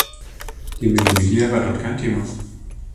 Die Mille Miglia war dort kein Thema.